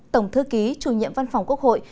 tổng thư ký chủ nhiệm văn phòng quốc hội